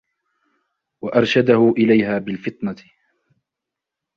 وَأَرْشَدَهُ إلَيْهَا بِالْفَطِنَةِ